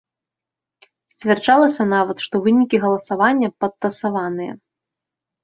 Сцвярджалася нават, што вынікі галасавання падтасаваныя.